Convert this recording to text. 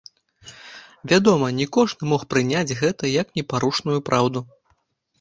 Вядома, не кожны мог прыняць гэта як непарушную праўду.